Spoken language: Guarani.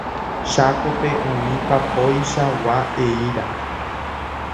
Chákope oĩ papoichagua eíra.